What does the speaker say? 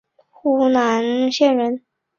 湖南澧县人。